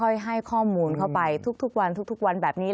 ค่อยให้ข้อมูลเข้าไปทุกวันแบบนี้